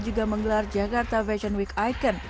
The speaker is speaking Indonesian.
juga menggelar jakarta fashion week icon